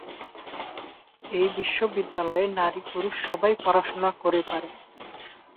এই বিশ্ববিদ্যালয়ে নারী-পুরুষ সবাই পড়াশোনা করে পারে।